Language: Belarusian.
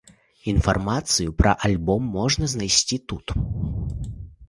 Інфармацыю пра альбом можна знайсці тут.